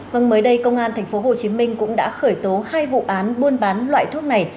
vâng mới đây công an tp hcm cũng đã khởi tố hai vụ án buôn bán loại thuốc này